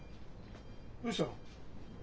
どうしたの？